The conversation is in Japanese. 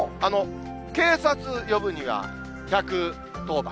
警察呼ぶには１１０番。